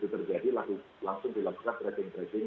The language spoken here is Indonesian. terjadi langsung dilakukan tracing tracing